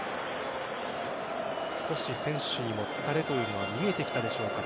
少し選手にも疲れというのが見えてきたでしょうか。